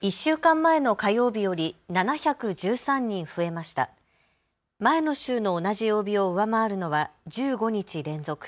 前の週の同じ曜日を上回るのは１５日連続。